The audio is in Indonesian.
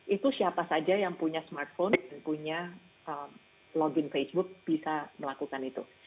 itu siapa saja yang punya smartphone dan punya login facebook bisa melakukan itu